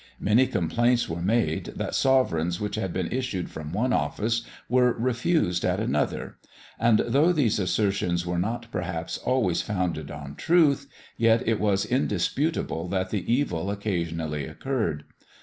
Many complaints were made, that sovereigns which had been issued from one office were refused at another; and though these assertions were not, perhaps, always founded on truth, yet it is indisputable that the evil occasionally occurred.